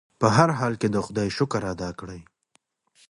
په هر حال کې د خدای شکر ادا کړئ.